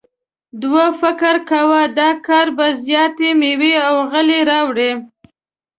دوی فکر کاوه دا کار به زیاتې میوې او غلې راوړي.